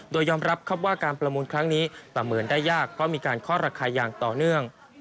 โดยยอมรับครับว่าการประมูลครั้งนี้ประเมินได้ยากเพราะมีการเคาะราคาอย่างต่อเนื่อง